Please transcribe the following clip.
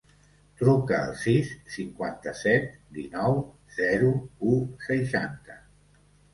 Truca al sis, cinquanta-set, dinou, zero, u, seixanta.